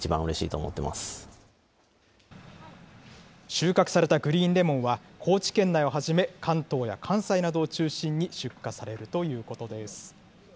収穫されたグリーンレモンは、高知県内をはじめ、関東や関西などを中心に出荷されるということです。